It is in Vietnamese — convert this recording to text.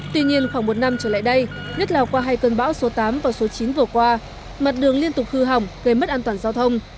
tuy nhiên khoảng một năm trở lại đây nhất là qua hai cơn bão số tám và số chín vừa qua mặt đường liên tục hư hỏng gây mất an toàn giao thông